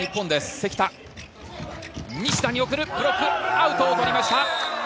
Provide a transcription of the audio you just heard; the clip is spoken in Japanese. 関田、西田に送る、ブロック、アウトを取りました。